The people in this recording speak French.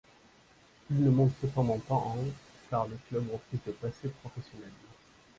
Il ne monte cependant pas en car le club refuse de passer professionnel.